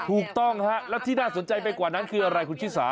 ถูกต้องฮะแล้วที่น่าสนใจไปกว่านั้นคืออะไรคุณชิสา